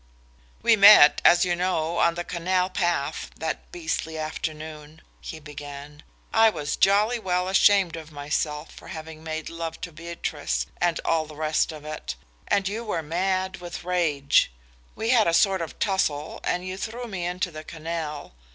"We met, as you know, on the canal path that beastly afternoon," he began. "I was jolly well ashamed of myself for having made love to Beatrice, and all the rest of it, and you were mad with rage. We had a sort of tussle and you threw me into the canal.